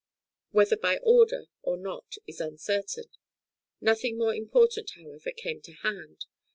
whether by order or not is uncertain; nothing more important, however, came to hand.